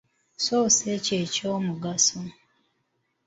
Soosa ekyo eky'omugaso.